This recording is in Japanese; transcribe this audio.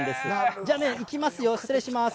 じゃあね、いきますよ、失礼します。